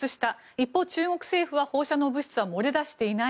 一方、中国政府は放射性物質は漏れ出していない。